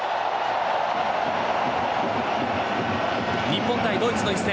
日本対ドイツの一戦。